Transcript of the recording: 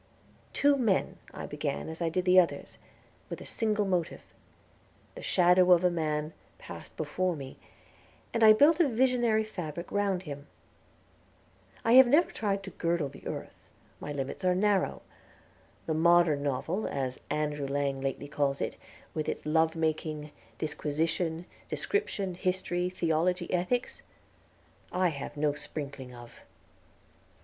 "Two Men" I began as I did the others, with a single motive; the shadow of a man passed before me, and I built a visionary fabric round him. I have never tried to girdle the earth; my limits are narrow; the modern novel, as Andrew Lang lately calls it, with its love making, disquisition, description, history, theology, ethics, I have no sprinkling of.